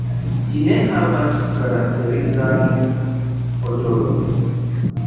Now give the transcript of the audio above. Ĝi ne havas karakterizan odoron.